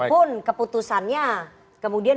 meskipun keputusannya kemudian